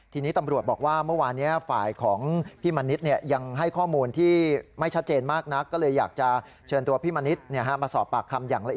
ทีนี้ตำรวจบอกว่าเมื่อวานนี้ฝ่ายของพี่มณิชย์